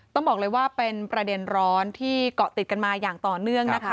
ต้องบอกเลยว่าเป็นประเด็นร้อนที่เกาะติดกันมาอย่างต่อเนื่องนะคะ